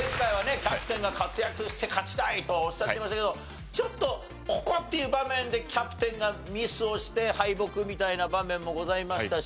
キャプテンが活躍して勝ちたいとおっしゃってましたけどちょっとここっていう場面でキャプテンがミスをして敗北みたいな場面もございましたし。